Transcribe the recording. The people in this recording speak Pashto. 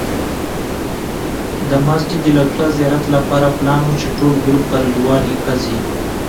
د مسجد الاقصی زیارت لپاره پلان و چې ټول ګروپ پر یوه لیکه ځي.